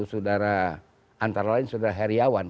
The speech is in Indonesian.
saudara antara lain saudara heriawan